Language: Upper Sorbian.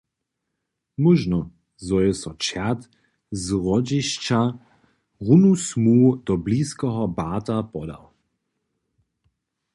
Móžno, zo je so čert z Hrodźišća runu smuhu do bliskeho Barta podał.